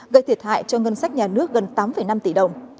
gây thiệt hại cho ngân sách nhà nước gần tám năm tỷ đồng